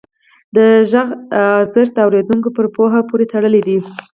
د غږ ارزښت د اورېدونکي پر پوهه پورې تړلی دی.